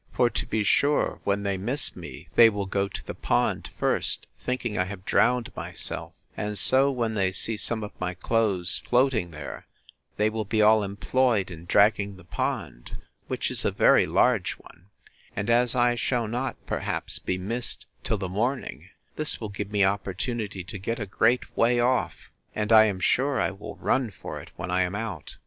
For to be sure, when they miss me, they will go to the pond first, thinking I have drowned myself: and so, when they see some of my clothes floating there, they will be all employed in dragging the pond, which is a very large one; and as I shall not, perhaps, be missed till the morning, this will give me opportunity to get a great way off; and I am sure I will run for it when I am out.